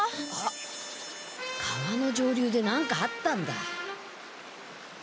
あっ川の上流で何かあったんだ。